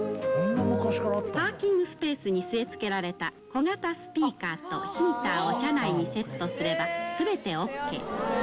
パーキングスペースに据え付けられた小型スピーカーとヒーターを車内にセットすればすべてＯＫ。